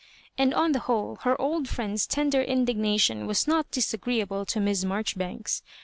And on the whole, her old friend's tender indignation was not disagreeable to Miss Marjoribanks.